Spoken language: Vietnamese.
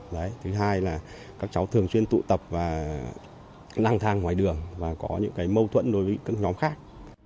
đấy thứ hai là các cháu thường xuyên tụ tập và lang thang ngoài đường và có những cái mâu thuẫn đối với các nhóm khác